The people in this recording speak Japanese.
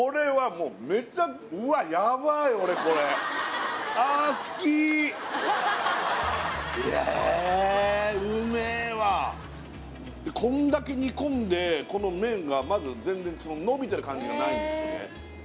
俺これえっうめえわこんだけ煮込んでこの麺がまず全然伸びてる感じがないんですよね